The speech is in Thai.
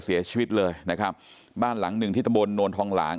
เสียชีวิตเลยนะครับบ้านหลังหนึ่งที่ตำบลโนนทองหลาง